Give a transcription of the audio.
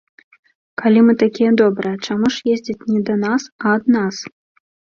Калі мы такія добрыя, чаму ж ездзяць не да нас, а ад нас?